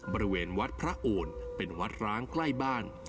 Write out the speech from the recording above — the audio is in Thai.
บริเวณวัดพระโอนเป็นวัดร้างใกล้บ้าน